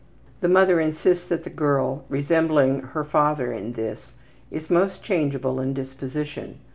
The mother insists that the girl, resembling her father in this, is most changeable in disposition.